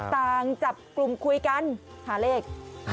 ต่างจับกลุ่มคุยกันหาเลข